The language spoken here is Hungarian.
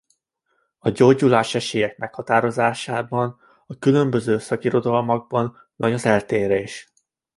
A gyógyulási esélyek meghatározásában a különböző szakirodalmakban nagy az eltérés.